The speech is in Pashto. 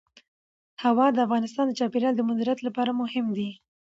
هوا د افغانستان د چاپیریال د مدیریت لپاره مهم دي.